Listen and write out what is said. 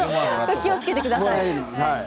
気をつけてください。